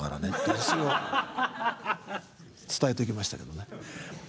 それを伝えておきましたけどね。